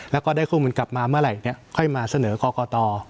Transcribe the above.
แล้วก็ได้ข้อมูลกลับมาเมื่อไหร่ค่อยมาเสนอกรกต